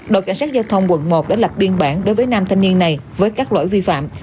đội cảnh sát giao thông quận một đã lập biên bản đối với nam thanh niên này với các lỗi vi phạm